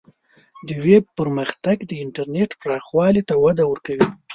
د ویب پرمختګ د انټرنیټ پراخوالی ته وده ورکوي.